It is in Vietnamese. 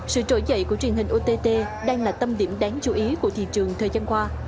sự trỗi dậy của truyền hình ott đang là tâm điểm đáng chú ý của thị trường thời gian qua